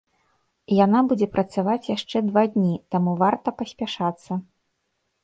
Яна будзе працаваць яшчэ два дні, таму варта паспяшацца.